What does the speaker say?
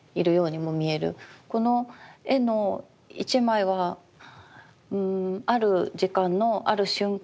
この絵の一枚はある時間のある瞬間